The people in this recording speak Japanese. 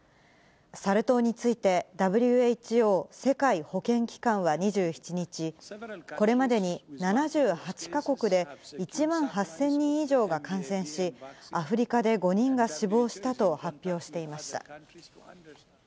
サル痘について、ＷＨＯ・世界保健機関は２７日、これまでに７８か国で１万８０００人以上が感染し、アフリカで５人が死亡したと発表していました。